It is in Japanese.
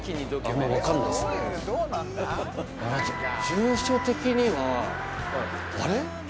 住所的にはあれ？